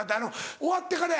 終わってからや。